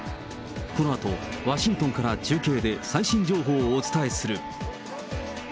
このあと、ワシントンから中継で最新情報をお伝えする。